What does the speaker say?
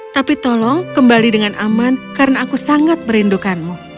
tapi tolong kembali dengan aman karena aku sangat merindukanmu